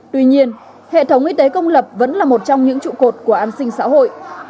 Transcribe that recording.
tuy nhiên hệ thống y tế công lập vẫn là một trong những trụ cột của an sinh xã hội